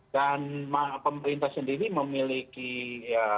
dan pemerintah sendiri memiliki ya